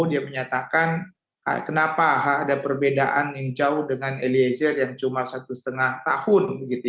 dia menyatakan kenapa ada perbedaan yang jauh dengan eliezer yang cuma satu setengah tahun